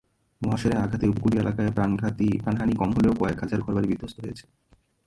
মহাসেনের আঘাতে উপকূলীয় এলাকায় প্রাণহানি কম হলেও কয়েক হাজার ঘরবাড়ি বিধ্বস্ত হয়েছে।